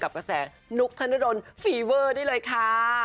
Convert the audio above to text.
กระแสนุกธนดลฟีเวอร์ได้เลยค่ะ